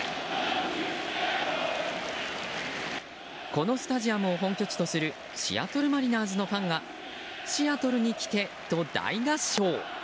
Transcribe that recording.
このスタジアムを本拠地とするシアトル・マリナーズのファンがシアトルに来てと大合唱。